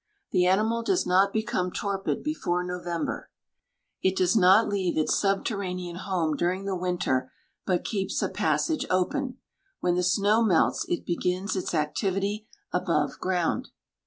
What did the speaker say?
The animal does not become torpid before November. It does not leave its subterranean home during the winter, but keeps a passage open. When the snow melts it begins its activity above ground.